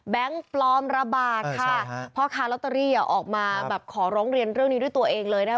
ปลอมระบาดค่ะพ่อค้าลอตเตอรี่อ่ะออกมาแบบขอร้องเรียนเรื่องนี้ด้วยตัวเองเลยนะคะ